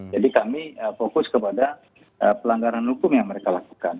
jadi kami fokus kepada pelanggaran hukum yang mereka lakukan